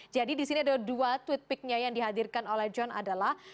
jadi di sini ada dua tweet pic nya yang dihadirkan oleh john adalah